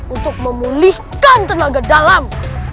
untuk memulihkan tenaga dalam